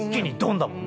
だもんね。